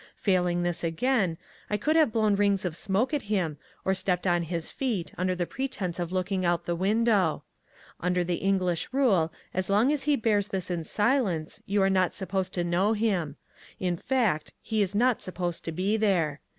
Failing this again, I could have blown rings of smoke at him or stepped on his feet under the pretence of looking out of the window. Under the English rule as long as he bears this in silence you are not supposed to know him. In fact, he is not supposed to be there.